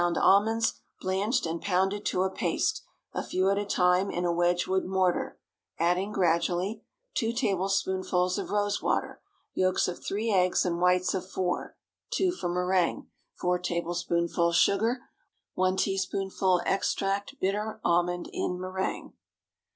almonds, blanched and pounded to a paste, a few at a time in a Wedgewood mortar, adding gradually— 2 tablespoonfuls of rose water. Yolks of three eggs and whites of four—(two for méringue). 4 tablespoonfuls sugar. 1 teaspoonful extract bitter almond in méringue.